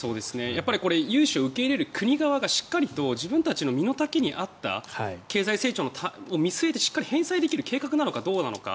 やっぱりこれ融資を受け入れる国側がしっかりと自分たちの身の丈に合った経済成長を見据えてしっかり返済できる計画なのかどうか。